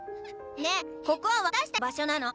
ねえここは私たちの場所なの！